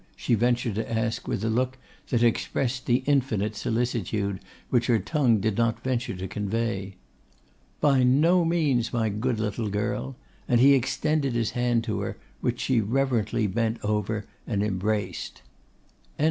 she ventured to ask with a look that expressed the infinite solicitude which her tongue did not venture to convey. 'By no means, my good little girl;' and he extended his hand to her, which she reverently bent over and embraced.